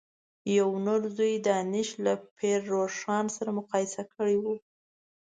یوه نر ځوی دانش له پير روښان سره مقايسه کړی و.